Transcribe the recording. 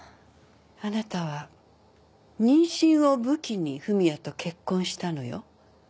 あなたは妊娠を武器に文也と結婚したのよ。